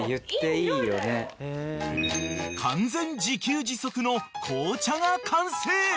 ［完全自給自足の紅茶が完成！